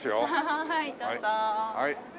はいどうぞ。